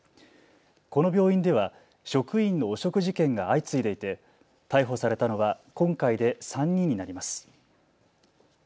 この病院では職員の汚職事件が相次いでいて逮捕されたのは今回で３人になります。